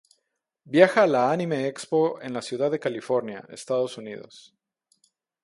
Viaja a la Anime Expo en la ciudad de California, Estados Unidos.